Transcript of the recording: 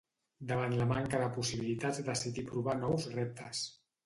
Davant la manca de possibilitats decidí provar nous reptes.